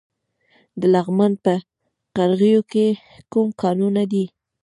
د لغمان په قرغیو کې کوم کانونه دي؟